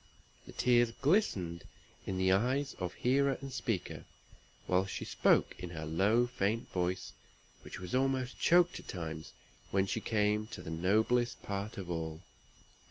The tears glistened in the eyes of hearer and speaker, while she spoke in her low, faint voice, which was almost choked at times when she came to the noblest part of all.